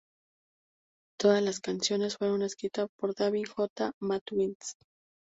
Todas las canciones fueron escritas por David J. Matthews.